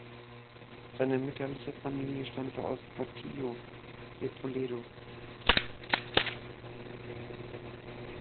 Seine mütterliche Familie stammte aus Portillo de Toledo.